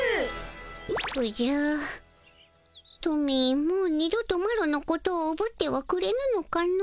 おじゃトミーもう二度とマロのことをおぶってはくれぬのかの？